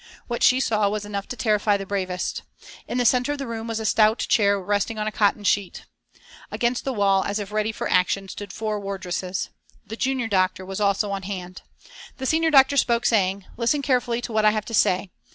What she saw was enough to terrify the bravest. In the centre of the room was a stout chair resting on a cotton sheet. Against the wall, as if ready for action stood four wardresses. The junior doctor was also on hand. The senior doctor spoke, saying: "Listen carefully to what I have to say.